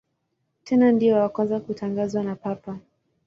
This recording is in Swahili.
Tena ndiye wa kwanza kutangazwa na Papa.